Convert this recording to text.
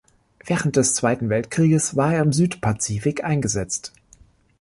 Während des Zweiten Weltkriegs war er im Südpazifik eingesetzt.